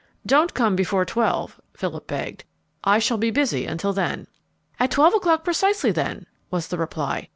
"Don't come before twelve," Philip begged. "I shall be busy until then." "At twelve o'clock precisely, then," was the reply.